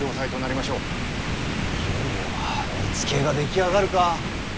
いよいよ見附が出来上がるか！